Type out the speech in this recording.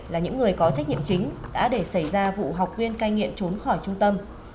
là những người có trách nhiệm chính đã để xảy ra vụ học viên cai nghiện trốn khỏi trung tâm